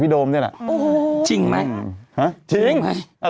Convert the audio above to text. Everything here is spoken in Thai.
พี่โดมแหวะ